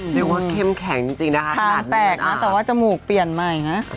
เรียกว่าเข้มแข็งจริงนะคะถ้าหากมีมันอาบออกมานะฮะค้างแตกนะแต่ว่าจมูกเปลี่ยนมาอย่างนี้นะ